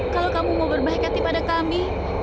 kalau kamu mau berbaik hati pada kami